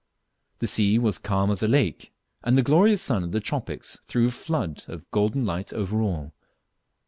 The sea was calm as a lake, and the glorious sun of the tropics threw a flood of golden light over all.